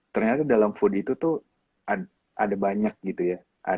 ternyata dalam food itu tuh ada banyak gitu ya